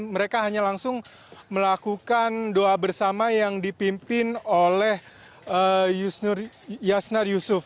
mereka hanya langsung melakukan doa bersama yang dipimpin oleh yasnar yusuf